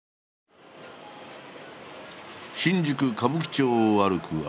新宿歌舞伎町を歩く